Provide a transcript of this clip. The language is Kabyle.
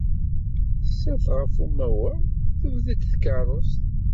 Tsat ɣef umawaɣ, tebded tkeṛṛust.